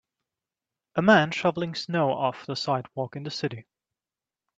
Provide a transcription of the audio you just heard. A man shoveling snow off the sidewalk in the city.